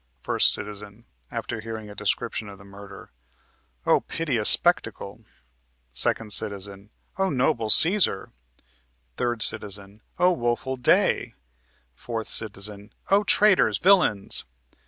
First Citizen. (After hearing a description of the murder.) O piteous spectacle! 2 Cit. O noble Cæsar! 3 Cit. O woful day! 4 Cit. O traitors, villains!